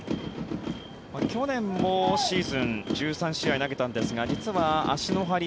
去年もシーズン１３試合投げたんですが実は足の張り